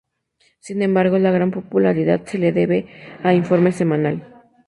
Sin embargo, la gran popularidad se la debe a "Informe Semanal".